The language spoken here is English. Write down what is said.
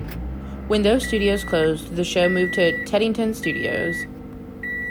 When those studios closed the show moved to Teddington Studios.